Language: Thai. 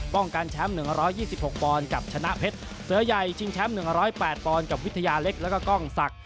ป้องกันแชมป์๑๒๖ปอนด์กับชนะเพชรเสือใหญ่ชิงแชมป์๑๐๘ปอนด์กับวิทยาเล็กแล้วก็กล้องศักดิ